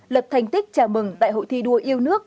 lập thành tích chào mừng đại hội thi đua yêu nước